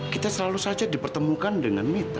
kita selalu saja dipertemukan dengan mita